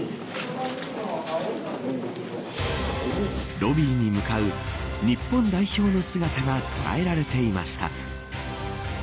ロビーに向かう日本代表の姿が捉えられていました。